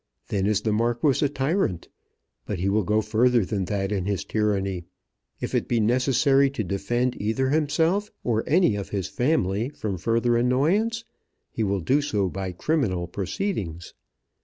Then is the Marquis a tyrant. But he will go further than that in his tyranny. If it be necessary to defend either himself or any of his family from further annoyance, he will do so by criminal proceedings.